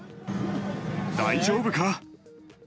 大丈夫か？